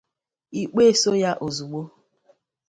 ikpe eso ya ozigbo.